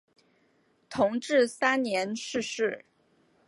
同治三年逝世。